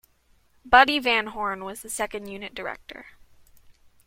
Buddy Van Horn was the second unit director.